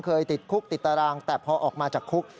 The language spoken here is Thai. ติดคุกติดตารางแต่พอออกมาจากคุก